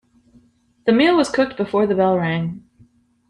The meal was cooked before the bell rang.